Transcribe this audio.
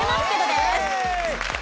です。